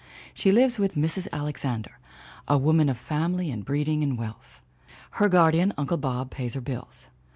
She lives with Mrs. Alexander, a woman of family and breeding and wealth. Her guardian, Uncle Bob, pays her bills.